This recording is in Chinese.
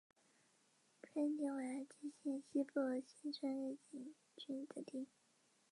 春日町为爱知县西部西春日井郡的町。